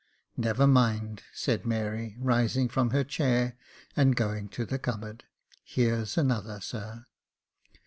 " Never mind," said Mary, rising from her chair, and going to the cupboard; "here's another, sir."